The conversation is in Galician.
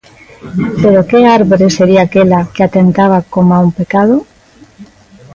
¿Pero que árbore sería aquela que a tentaba coma un pecado?